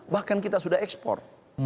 bahkan kita sudah ekspor